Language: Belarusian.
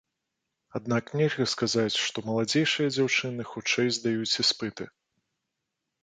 Аднак нельга сказаць, што маладзейшыя дзяўчыны хутчэй здаюць іспыты.